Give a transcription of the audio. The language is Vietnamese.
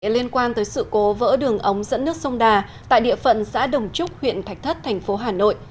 liên quan tới sự cố vỡ đường ống dẫn nước sông đà tại địa phận xã đồng trúc huyện thạch thất thành phố hà nội